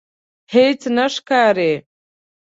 هیڅ نه ښکاري